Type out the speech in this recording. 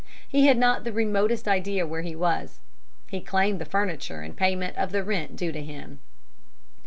He had not the remotest idea where he was. He claimed the furniture in payment of the rent due to him."